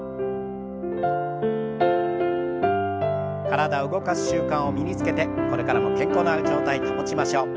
体を動かす習慣を身につけてこれからも健康な状態保ちましょう。